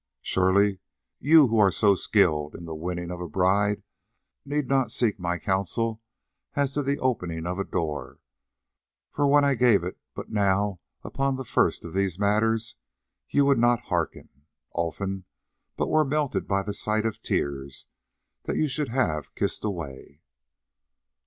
Surely you who are so skilled in the winning of a bride need not seek my counsel as to the opening of a door, for when I gave it but now upon the first of these matters, you would not hearken, Olfan, but were melted by the sight of tears that you should have kissed away."